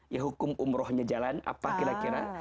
ya hukum umrohnya jalan apa kira kira